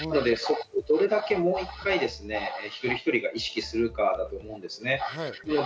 どれだけもう一回、一人一人が意識するかだと思うんです。